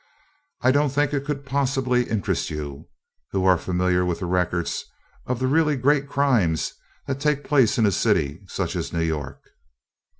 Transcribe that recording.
"I don't think it could possibly interest you, who are familiar with the records of the really great crimes that take place in a city such as New York."